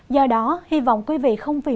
do đó hy vọng quý vị không vì